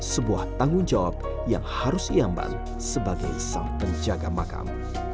sebuah tanggung jawab yang harus iamban sebagai sang penjaga makam